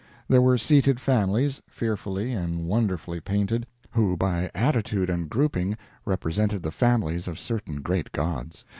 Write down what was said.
There were seated families, fearfully and wonderfully painted, who by attitude and grouping represented the families of certain great gods.